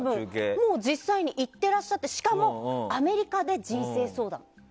実際に行ってらっしゃってしかもアメリカで人生相談。